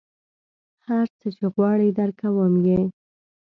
هر څه چې غواړې درکوم یې.